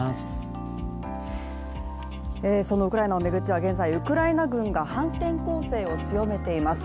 そのウクライナを巡っては、現在ウクライナ軍が反転攻勢を強めています。